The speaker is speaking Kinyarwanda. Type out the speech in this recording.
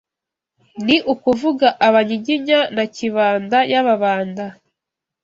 ni ukuvuga Abanyiginya na Kibanda y’Ababanda